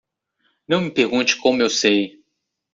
Não me pergunte como eu sei.